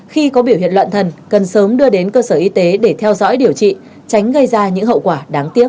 khi có biểu hiện loạn thần cần sớm đưa đến cơ sở y tế để theo dõi điều trị tránh gây ra những hậu quả đáng tiếc